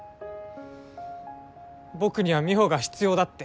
僕には美帆が必要だって。